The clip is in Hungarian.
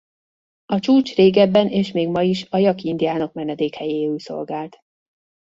A csúcs régebben és még ma is a jaki indiánok menedékhelyéül szolgált.